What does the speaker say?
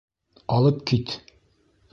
Алып кит!